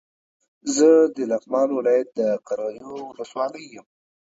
زه د لغمان ولايت د قرغيو ولسوالۍ يم